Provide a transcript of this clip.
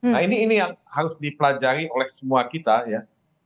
nah ini yang harus dipelajari oleh semua kita ya